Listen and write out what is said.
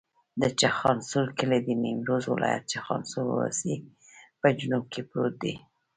د چخانسور کلی د نیمروز ولایت، چخانسور ولسوالي په جنوب کې پروت دی.